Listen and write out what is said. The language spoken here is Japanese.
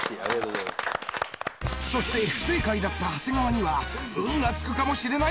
そして不正解だった長谷川には“ウン”がつくかもしれない！？